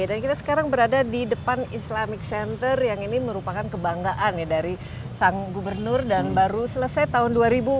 dan kita sekarang berada di depan islamic center yang ini merupakan kebanggaan ya dari sang gubernur dan baru selesai tahun dua ribu enam belas